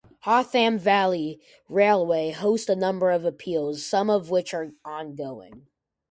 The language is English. Hotham Valley Railway host a number of appeals, some of which are ongoing.